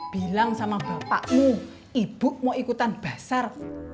bilang sama bapakmu ibu mau ikutan basar